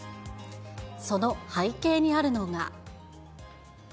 その背景にあるのが。